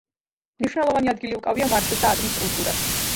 მნიშვნელოვანი ადგილი უკავია მარწყვის და ატმის კულტურას.